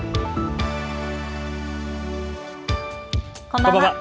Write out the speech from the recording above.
こんばんは。